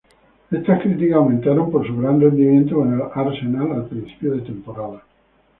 Estas críticas aumentaron por su gran rendimiento con el Arsenal al principio de temporada.